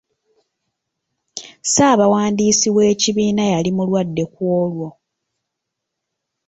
Ssabawandiisi weekibiina yali mulwadde ku olwo.